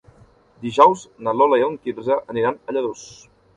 Dijous na Lola i en Quirze aniran a Lladurs.